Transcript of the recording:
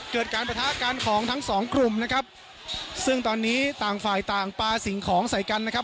เกิดการประทะกันของทั้งสองกลุ่มนะครับซึ่งตอนนี้ต่างฝ่ายต่างปลาสิ่งของใส่กันนะครับ